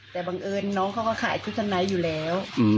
แต่บังเอิญน้องเขาก็ขายชุดชั้นในอยู่แล้ว